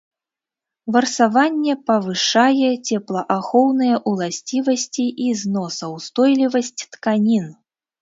Варсаванне павышае цеплаахоўныя уласцівасці і зносаўстойлівасць тканін.